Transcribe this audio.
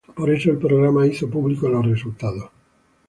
Por eso, el programa hizo públicos los resultados.